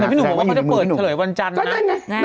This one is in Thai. แต่พี่หนุ่มบอกว่าเขาจะเปิดเฉลยวันจันทร์นะ